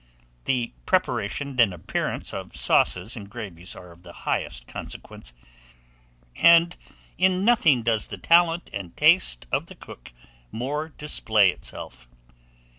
THE PREPARATION AND APPEARANCE OF SAUCES AND GRAVIES are of the highest consequence, and in nothing does the talent and taste of the cook more display itself.